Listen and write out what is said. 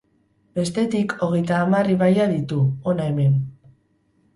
Bestetik, hogeita hamar ibaia ditu, hona hemen.